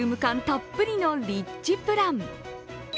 たっぷりのリッチプラン。